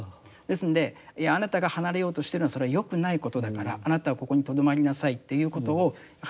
ですんであなたが離れようとしてるのはそれは良くないことだからあなたはここにとどまりなさいということをやはりしてはならない。